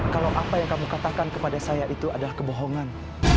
kalau apa yang kamu katakan kepada saya itu adalah kebohongan